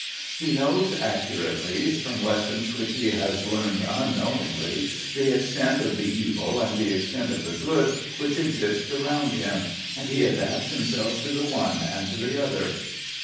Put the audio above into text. He knows accurately, from lessons which he has learned unknowingly, the extent of the evil and the extent of the good which exists around him, and he adapts himself to the one and to the other.